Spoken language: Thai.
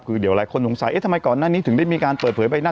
คือเดี๋ยวหลายคนสงสัยเอ๊ะทำไมก่อนหน้านี้ถึงได้มีการเปิดเผยใบหน้า